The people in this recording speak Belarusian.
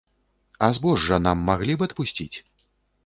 А збожжа нам маглі б адпусціць?